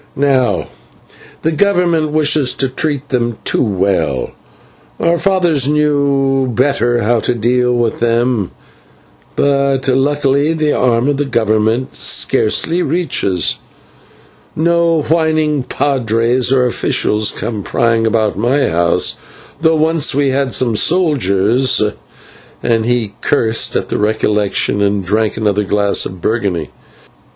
Now the Government wishes to treat them too well. Our fathers knew better how to deal with them, but luckily the arm of the Government scarcely reaches here, and no whining /padres/ or officials come prying about my house, though once we had some soldiers," and he cursed at the recollection and drank another glass of Burgundy.